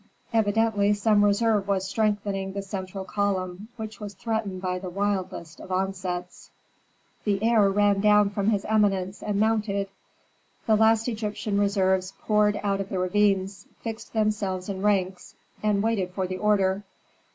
Evidently some reserve was strengthening the central column, which was threatened by the wildest of onsets. The heir ran down from his eminence and mounted; the last Egyptian reserves poured out of the ravines, fixed themselves in ranks, and waited for the order.